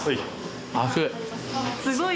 熱い。